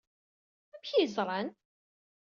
Amek ay ẓran?